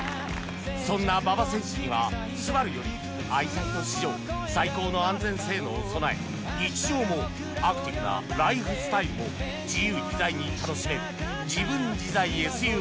そんな馬場選手にはスバルよりアイサイト史上最高の安全性能を備え日常もアクティブなライフスタイルも自由自在に楽しめるジブン自在 ＳＵＶ